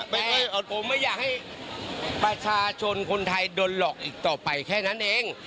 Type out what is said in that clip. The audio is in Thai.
แต่ผมไม่อยากให้ประชาชนคนไทยโดนหลอกอีกต่อไปแค่นั้นเอง